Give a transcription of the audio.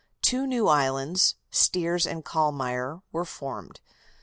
Two new islands, Steers and Calmeyer, were formed.